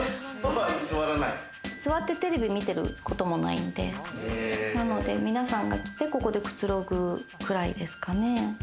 座ってテレビ見てることもないんで、なので皆さんが来て、ここでくつろぐくらいですかね。